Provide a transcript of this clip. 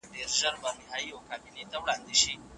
دغه کوچنی چي دی د پوهني په برخي کي لوی قدم اخلي.